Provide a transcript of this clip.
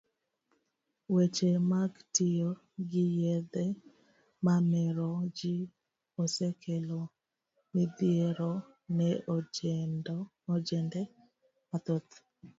Weche mag tiyo gi yedhe mamero ji, osekelo midhiero ne ojende mathoth.